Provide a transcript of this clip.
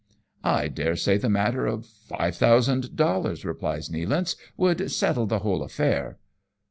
"I daresay the matter of five thousand dollars," replies Nealance ;" would settle the whole affair."